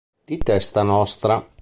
Di testa nostra.